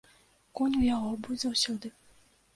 Конь у яго быў заўсёды.